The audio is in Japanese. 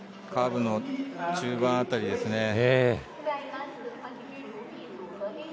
カーブの中盤辺りですね。